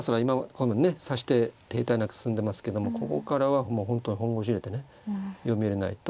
こんなにね指し手停滞なく進んでますけどもここからはもう本当に本腰入れてね読みを入れないと。